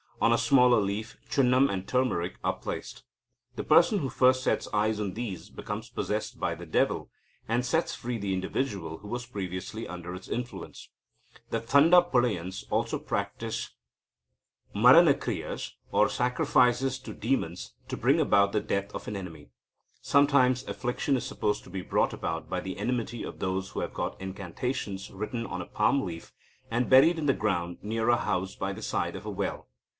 On a smaller leaf, chunam and turmeric are placed. The person who first sets eyes on these becomes possessed by the devil, and sets free the individual who was previously under its influence. The Thanda Pulayans also practise maranakriyas, or sacrifices to demons, to bring about the death of an enemy. Sometimes affliction is supposed to be brought about by the enmity of those who have got incantations written on a palm leaf, and buried in the ground near a house by the side of a well.